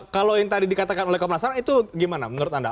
kalau yang tadi dikatakan oleh komnas ham itu gimana menurut anda